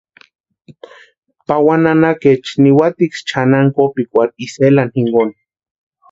Pawani nanakaecha niwatiksï chʼanani kopikwarhu Isela jinkoni.